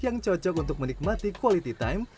yang cocok untuk menikmati quality time